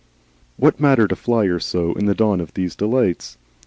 What mattered a fly or so in the dawn of these delights?